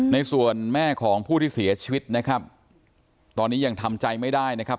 ในส่วนแม่ของผู้ที่เสียชีวิตนะครับตอนนี้ยังทำใจไม่ได้นะครับ